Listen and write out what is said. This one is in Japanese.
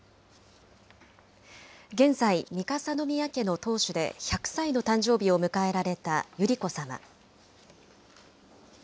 現在、三笠宮家の当主で、１００歳の誕生日を迎えられた百合子さま。